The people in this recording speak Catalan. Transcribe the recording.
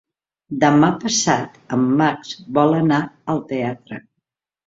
Demà passat en Max vol anar al teatre.